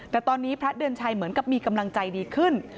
แต่ตอนนี้พระเดือนชัยเหมือนกับมีกำลังใจดีขึ้น